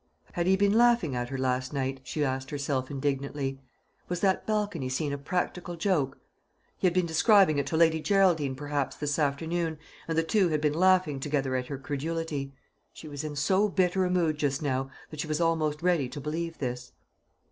Had he been laughing at her last night? she asked herself indignantly; was that balcony scene a practical joke? He had been describing it to Lady Geraldine perhaps this afternoon, and the two had been laughing together at her credulity. She was in so bitter a mood just now that she was almost ready to believe this.